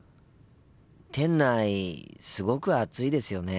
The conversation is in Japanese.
店内すごく暑いですよね。